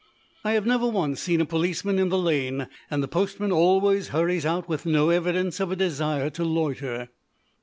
I have never once seen a policeman in the lane, and the postmen always hurry out with no evidence of a desire to loiter.